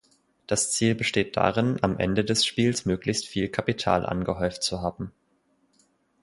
Das Ziel besteht darin, am Ende des Spiels möglichst viel Kapital angehäuft zu haben.